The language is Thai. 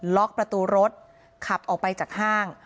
ล็อกประตูรถขับออกไปจากห้าง